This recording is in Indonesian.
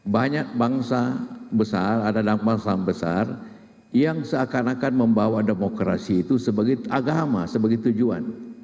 banyak bangsa besar ada bangsa besar yang seakan akan membawa demokrasi itu sebagai agama sebagai tujuan